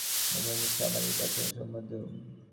ঐ প্রকার জাতিভেদ-বিষয়ে এবং অন্যান্য সামাজিক আচার সম্বন্ধেও।